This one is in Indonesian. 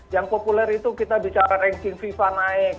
yang populer itu kita bicara ranking fifa naik